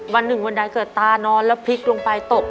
วันหนึ่งวันใดเกิดตานอนแล้วพลิกลงไปตก